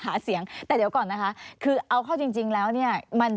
จะไม่ได้มาในสมัยการเลือกตั้งครั้งนี้แน่